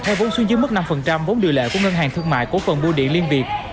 theo vốn xuân dưới mức năm vốn điều lệ của ngân hàng thương mại cố phần bù điện liên việt